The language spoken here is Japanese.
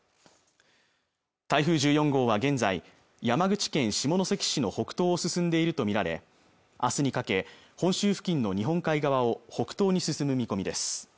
台風１４号は現在山口県下関市の北東を進んでいると見られ明日にかけ本州付近の日本海側を北東に進む見込みです